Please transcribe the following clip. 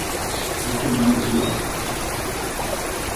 Celkem mají obyvatel.